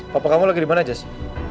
papa kamu lagi dimana jesse